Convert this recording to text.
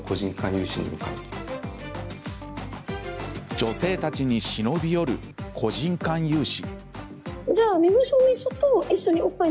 女性たちに忍び寄る個人間融資。